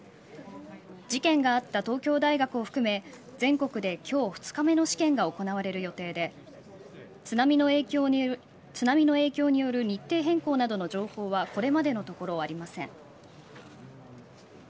事件があった東京大学を含め全国で今日２日目の試験が行われる予定で津波の影響による日程変更などの情報はこれまでのところありません。